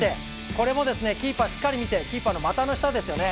これもキーパーをしっかり見てキーパーの股の下ですよね。